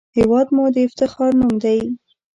هېواد مو د افتخار نوم دی